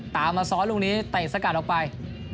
มาซ้อนลูกนี้เตะสกัดออกไป